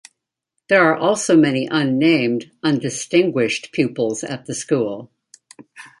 There are also many unnamed, undistinguished pupils at the school.